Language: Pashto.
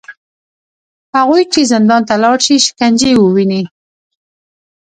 هغوی چې زندان ته لاړ شي، شکنجې وویني